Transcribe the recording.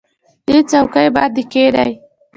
دې څوکۍ باندې کېنئ.